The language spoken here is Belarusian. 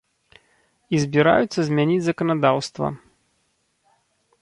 І збіраюцца змяніць заканадаўства.